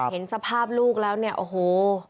เห็นสภาพลูกแล้วเนี่ยโอ้โห